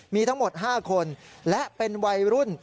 มีทั้งหมด๕คนและเป็นวัยรุ่น